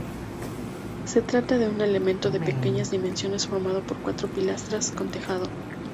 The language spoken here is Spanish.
Se trata de un elemento de pequeñas dimensiones formado por cuatro pilastras con tejado.